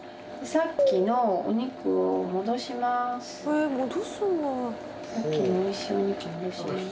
さっきのおいしいお肉を戻します。